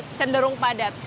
ini cenderung padat